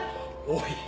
おい。